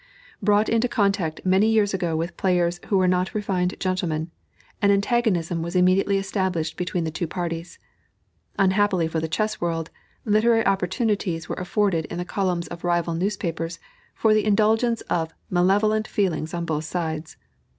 Brought into contact many years ago with players who were not refined gentlemen, an antagonism was immediately established between the two parties. Unhappily for the chess world, literary opportunities were afforded in the columns of rival newspapers for the indulgence of malevolent feelings on both sides.